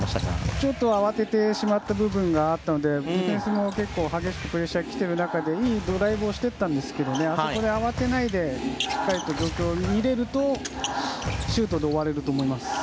ちょっと慌ててしまった部分があったのでディフェンスも、結構激しくプレッシャー来ていた中でいいドライブをしていったんですがあそこで、慌てないでしっかりと状況を見れるとシュートで終われると思います。